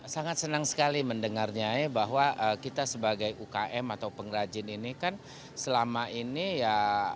sangat senang sekali mendengarnya bahwa kita sebagai ukm atau pengrajin ini kan selama ini ya